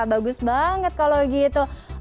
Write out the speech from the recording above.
bagus banget kalau gitu